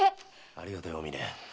ありがとよお峰。